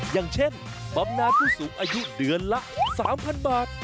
อย่างเช่นบำนานผู้สูงอายุเดือนละ๓๐๐๐บาท